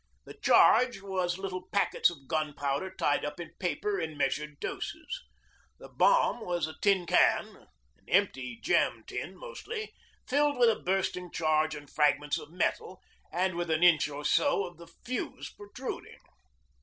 The charge was little packets of gunpowder tied up in paper in measured doses. The bomb was a tin can an empty jam tin, mostly filled with a bursting charge and fragments of metal, and with an inch or so of the fuse protruding.